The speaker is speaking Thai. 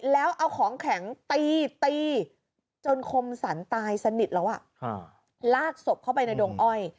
แล้วเอาของแข็งตีตีจนคมสรรตายสนิทแล้วลากศพเข้าไปในดงอ้อย